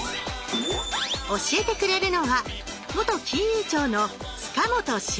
教えてくれるのは元金融庁の塚本俊太郎さん。